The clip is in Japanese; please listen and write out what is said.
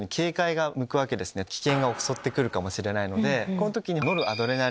この時に。